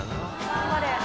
頑張れ。